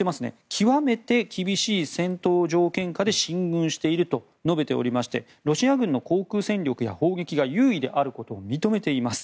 極めて厳しい戦闘条件下で進軍していると述べていましてロシア軍の航空戦力や砲撃が優位であることを認めています。